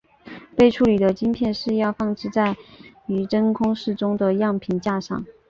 被处理的晶片试样放置于真空室中的样品架上。